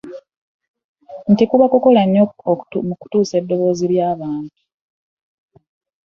Nti kuba kukola nnyo mu kutuusa eddoboozi ly'abantu.